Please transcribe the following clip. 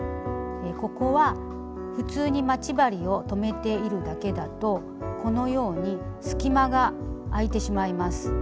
ここは普通に待ち針を留めているだけだとこのように隙間があいてしまいます。